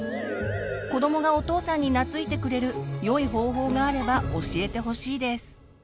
子どもがお父さんになついてくれるよい方法があれば教えてほしいです。